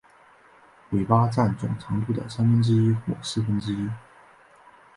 尾巴占总长度的三分之一或四分之一。